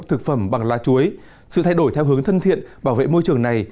thực phẩm bằng lá chuối sự thay đổi theo hướng thân thiện bảo vệ môi trường này